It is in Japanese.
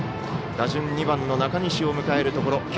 打順、２番の中西を迎えるところ。